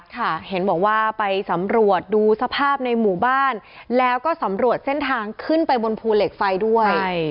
ค่ะเห็นบอกว่าไปสำรวจดูสภาพในหมู่บ้านแล้วก็สำรวจเส้นทางขึ้นไปบนภูเหล็กไฟด้วย